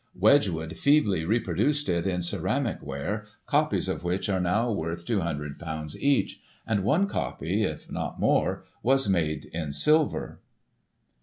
Wedgwood feebly reproduced it in ceramic ware, copies of which are now worth ;£^200 each, and one copy, if not more, was made in silver.